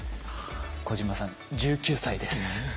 小島さん１９歳です。